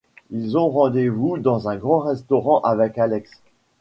Ils ont rendez-vous dans un grand restaurant avec Alex.